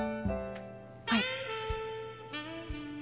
はい。